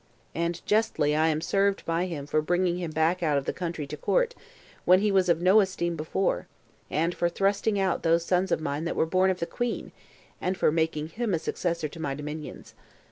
And justly I am served by him for bringing him back out of the country to court, when he was of no esteem before, and for thrusting out those sons of mine that were born of the queen, and for making him a successor to my dominions.